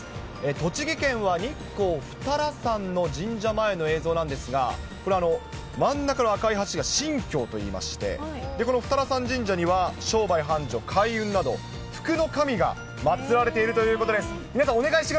栃木県は日光二荒山の神社前の映像なんですが、これ、真ん中の赤い橋が神橋といいまして、この二荒山神社には、商売繁盛、開運など、福の神が祭られているということです。